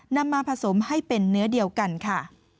นำมาผสมให้เป็นเนื้อเดียวกันค่ะ